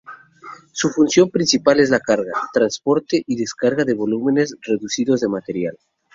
Su función principal es la carga, transporte y descarga de volúmenes reducidos de material.